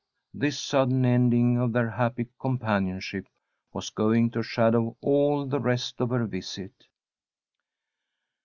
This sudden ending of their happy companionship was going to shadow all the rest of her visit.